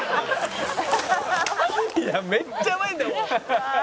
「いやめっちゃうまいんだもん」